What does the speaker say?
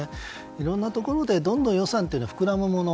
いろんなところで、どんどん予算というのは膨らむもの。